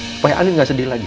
supaya andin gak sedih lagi